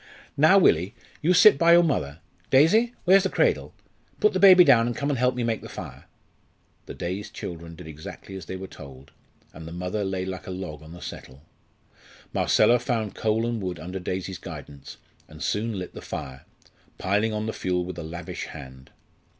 "Now, Willie, you sit by your mother. Daisy, where's the cradle? Put the baby down and come and help me make the fire." The dazed children did exactly as they were told, and the mother lay like a log on the settle. Marcella found coal and wood under Daisy's guidance, and soon lit the fire, piling on the fuel with a lavish hand.